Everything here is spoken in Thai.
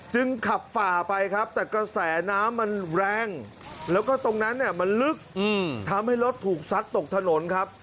ขับฝ่าไปครับแต่กระแสน้ำมันแรงแล้วก็ตรงนั้นเนี่ยมันลึกทำให้รถถูกซัดตกถนนครับ